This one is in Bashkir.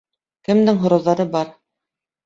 Кемдең һорауҙары бар?